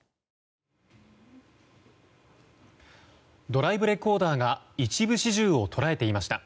ドライブレコーダーが一部始終を捉えていました。